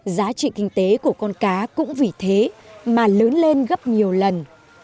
giá trị kinh tế của con cá cũng vì thế mà lớn lên gấp nhiều lần